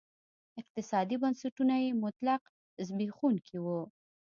اقتصادي بنسټونه یې مطلق زبېښونکي وو.